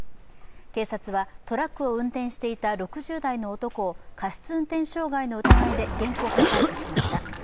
警察はトラックを運転していた６０代の男を過失運転傷害の疑いで現行犯逮捕しました。